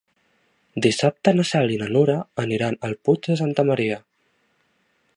Dissabte na Cel i na Nura aniran al Puig de Santa Maria.